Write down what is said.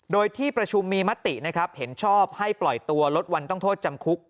โดยที่ประชุมมีมตินะครับเห็นชอบให้ปล่อยตัวลดวันต้องโทษจำคุก